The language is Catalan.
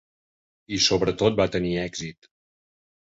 I sobretot va tenir èxit.